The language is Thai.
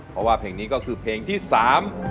เพราะว่าเพลงนี้ก็คือเพลงที่สาม